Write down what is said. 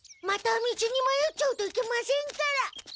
また道にまよっちゃうといけませんから。